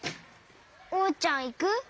おうちゃんいく？